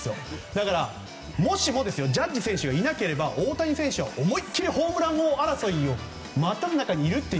だから、もしもジャッジ選手がいなければ大谷選手は思い切りホームラン王争いの中にいると。